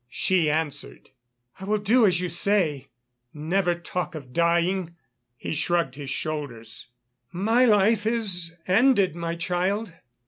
She answered: "I will do as you say.... Never talk of dying...." He shrugged his shoulders. "My life is ended, my child.